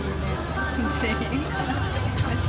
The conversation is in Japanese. ２０００円かな。